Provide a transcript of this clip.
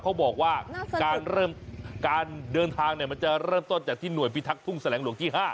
เขาบอกว่าการเริ่มการเดินทางมันจะเริ่มต้นจากที่หน่วยพิทักษ์ทุ่งแสลงหลวงที่๕